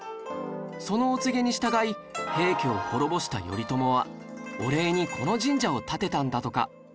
そのお告げに従い平家を滅ぼした頼朝はお礼にこの神社を建てたんだとか